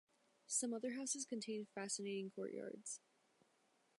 Some other houses contain fascinating courtyards.